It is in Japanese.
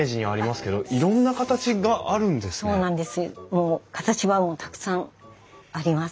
もう形はたくさんあります。